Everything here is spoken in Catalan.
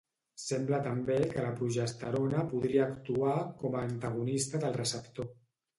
Sembla també que la progesterona podria actuar com a antagonista del receptor.